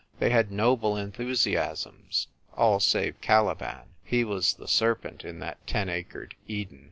They had noble enthusiasms — all save Caliban; he was the serpent in that ten acred Eden.